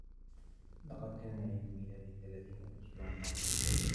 لقد كان عيد ميلادي الثلاثين الأسبوع الماضي.